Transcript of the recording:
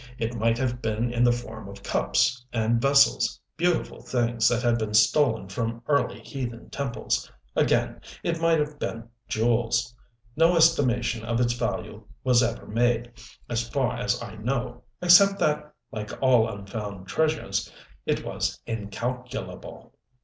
It might have been in the form of cups and vessels, beautiful things that had been stolen from early heathen temples again it might have been jewels. No estimation of its value was ever made, as far as I know except that, like all unfound treasures, it was 'incalculable.'